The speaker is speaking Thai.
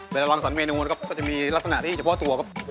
เวลาลำสั่นเมนูนะครับก็จะมีลักษณะที่เฉพาะตัวครับ